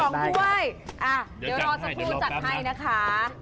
เดี๋ยวรอสักครู่จัดให้นะคะ